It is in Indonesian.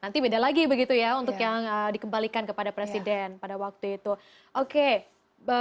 nanti beda lagi begitu ya untuk yang dikembalikan kepada presiden pada waktu itu oke